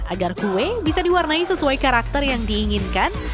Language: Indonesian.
agar kue bisa diwarnai sesuai karakter yang diinginkan